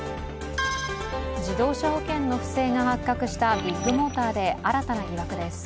自動車保険の不正が発覚したビッグモーターで新たな疑惑です。